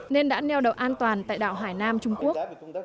nên đã neo đậu an toàn tại đảo hải nam trung quốc